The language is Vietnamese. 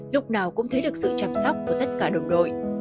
lúc nào cũng thấy được sự chăm sóc của tất cả đồng đội